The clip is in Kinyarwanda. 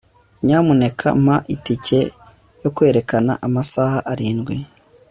nyamuneka mpa itike yo kwerekana amasaha arindwi